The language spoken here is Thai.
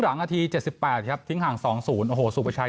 หลังนาทีเจ็ดสิบแปดครับทิ้งห่างสองศูนย์โอ้โหสุปชัย